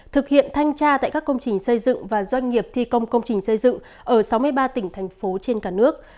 thực hiện thanh tra tại các công trình xây dựng và doanh nghiệp thi công công trình xây dựng ở sáu mươi ba tỉnh thành phố trên cả nước